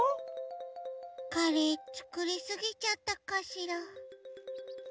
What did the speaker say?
カレーつくりすぎちゃったかしら？